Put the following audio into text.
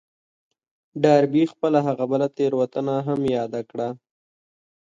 ډاربي خپله هغه بله تېروتنه هم ياده کړه.